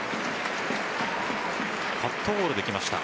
カットボールできました。